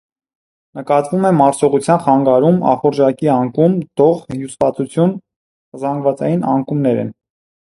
Նկատվում է մարսողության խանգարում, ախորժակի անկում, դող, հյուծվածություն, զանգվածային անկումներ են։